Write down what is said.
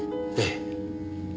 ええ。